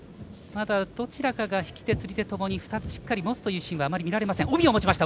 まだどちらかが引き手、釣り手ともに２つしっかり持つというシーンはあまり見られません。